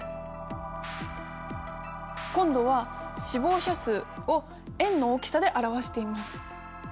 今度は死亡者数を円の大きさで表しています。